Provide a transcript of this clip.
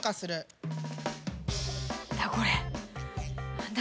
何だ？